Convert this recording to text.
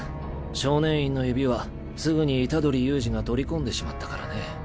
少年院の指はすぐに虎杖悠仁が取り込んでしまったからね。